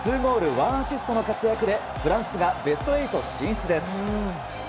１アシストの活躍でフランスがベスト８進出です。